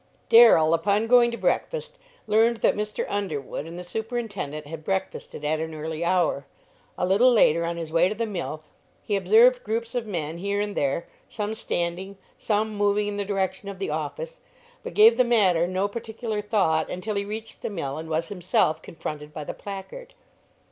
Darrell, upon going to breakfast, learned that Mr. Underwood and the superintendent had breakfasted at an early hour. A little later, on his way to the mill, he observed groups of men here and there, some standing, some moving in the direction of the office, but gave the matter no particular thought until he reached the mill and was himself confronted by the placard.